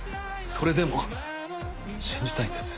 それでも信じたいんです。